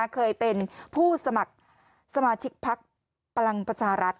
เคยเป็นผู้สมัครสมาชิกพักพลังประชารัฐ